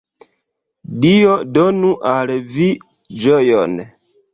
Dio donu al vi ĝojon.